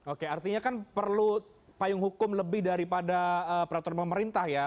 oke artinya kan perlu payung hukum lebih daripada peraturan pemerintah ya